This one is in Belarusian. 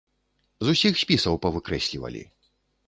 З усіх спісаў павыкрэслівалі.